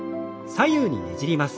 左右にねじります。